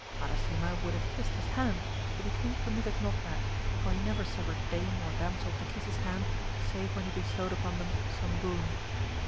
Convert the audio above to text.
Madasima would have kissed his hand but the king permitted not that, for he never suffered dame or damsel to kiss his hand save when he bestowed upon them some boon.